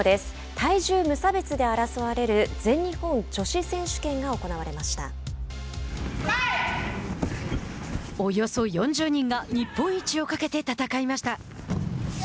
体重無差別で争われる全日本女子選手権がおよそ４０人が日本一をかけて戦いました。